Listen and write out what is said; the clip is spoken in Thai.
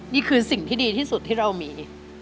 นี่คือสิ่งที่ดีที่สุดที่เรามี